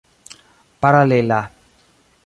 paralela